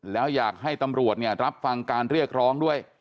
แล้วอยากให้ตำรวจรับฟังการเรียกร้องด้วย